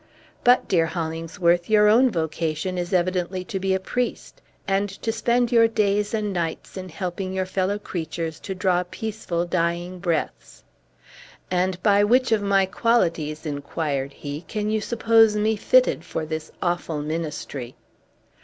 But, dear Hollingsworth, your own vocation is evidently to be a priest, and to spend your days and nights in helping your fellow creatures to draw peaceful dying breaths." "And by which of my qualities," inquired he, "can you suppose me fitted for this awful ministry?"